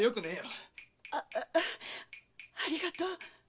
あありがとう。